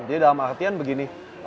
jadi dalam artian begini